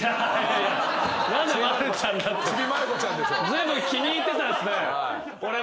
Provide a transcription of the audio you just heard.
ずいぶん気に入ってたんですね。